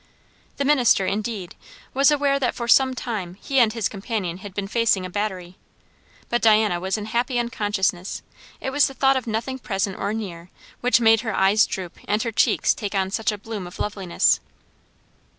The minister, indeed, was aware that for some time he and his companion had been facing a battery; but Diana was in happy unconsciousness; it was the thought of nothing present or near which made her eyes droop and her cheeks take on such a bloom of loveliness.